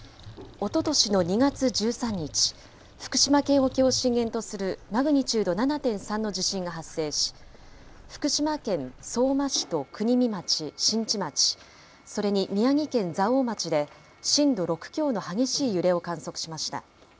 おととしの２月１３日、福島県沖を震源とするマグニチュード７．３の地震が発生し、福島県相馬市と国見町、新地町、それに宮城県蔵王町で、震度６強の激しい揺れを観測しました。